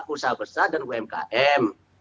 usaha besar dan umkm